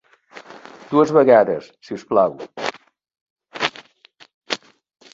Dues vegades, si us plau.